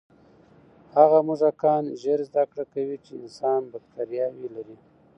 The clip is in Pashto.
هغه موږکان ژر زده کړه کوي چې انسان بکتریاوې لري.